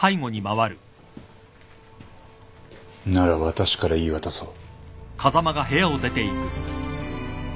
なら私から言い渡そう。